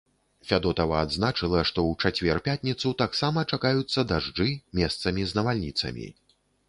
Фядотава адзначыла, што ў чацвер-пятніцу таксама чакаюцца дажджы, месцамі з навальніцамі.